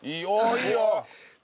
いいよ。